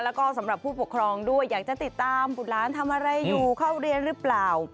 แล้วก็สำหรับผู้ปกครองด้วยอยากจะติดตามบุตรหลานทำอะไรอยู่เข้าเรียนหรือเปล่า